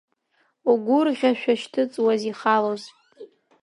Угәырӷьашәа шьҭыҵуаз, ихалоз…